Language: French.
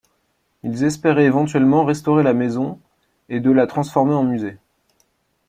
Ils espéraient éventuellement restaurer la maison, et de la transformer en musée.